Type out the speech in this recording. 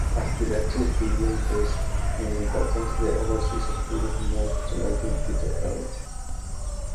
As direct-to-video increased in importance, the overseas studios moved to making feature films.